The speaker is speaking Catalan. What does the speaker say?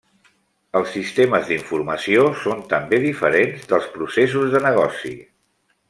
Els sistemes d'informació són també diferents dels processos de negoci.